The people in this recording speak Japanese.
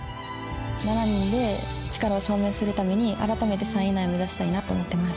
７人で力を証明するためにあらためて３位以内を目指したいと思います。